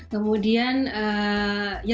kemudian ya dimana saja